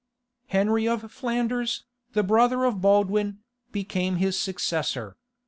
Henry of Flanders, the brother of Baldwin, became his successor.